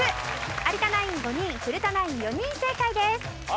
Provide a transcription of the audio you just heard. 有田ナイン５人古田ナイン４人正解です。